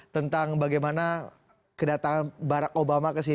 tentang bagaimana kedatangan barack obama ke sini